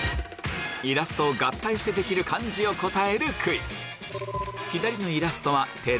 イラストを合体してできる漢字を答えるクイズ